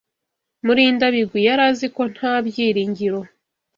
Murindabigwi yari azi ko nta byiringiro.